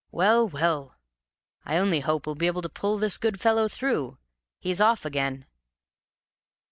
Well, well! I only hope we'll be able to pull this good fellow through. He's off again."